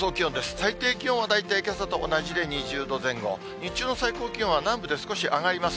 最低気温は大体けさと同じで２０度前後、日中の最高気温は南部で少し上がります。